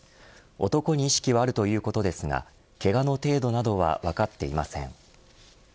男に意識はあるということですがけがの程度などは分かっていません。